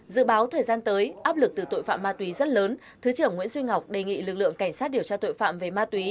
dự báo thời gian tới áp lực từ tội phạm ma túy rất lớn thứ trưởng nguyễn duy ngọc đề nghị lực lượng cảnh sát điều tra tội phạm về ma túy